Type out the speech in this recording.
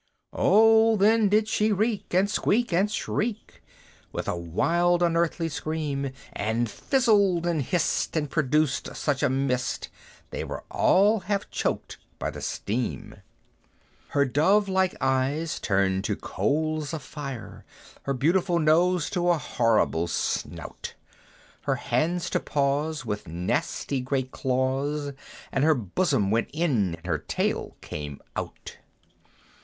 Oh! then did she reek, and squeak, and shriek, With a wild unearthly scream; And fizzled, and hissed, and produced such a mist, They were all half choked by the steam. Her dove like eyes turned to coals of fire, Her beautiful nose to a horrible snout, Her hands to paws, with nasty great claws, And her bosom went in and her tail came out.